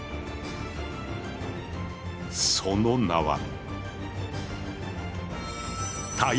その名は。